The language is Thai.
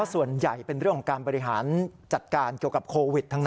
ส่วนใหญ่เป็นเรื่องของการบริหารจัดการเกี่ยวกับโควิดทั้งนั้น